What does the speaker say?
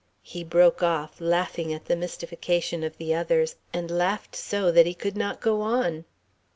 he broke off, laughing at the mystification of the others, and laughed so that he could not go on.